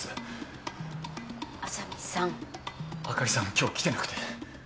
今日来てなくて。